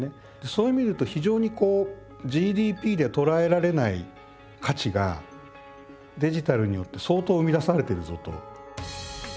そういう意味でいうと非常にこうＧＤＰでは捉えられない価値がデジタルによって相当生み出されてるぞと。